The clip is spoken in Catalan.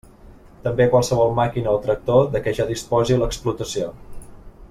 També qualsevol màquina o tractor de què ja disposi l'explotació.